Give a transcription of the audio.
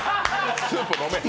スープ飲め！